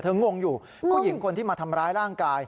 งงอยู่ผู้หญิงคนที่มาทำร้ายร่างกาย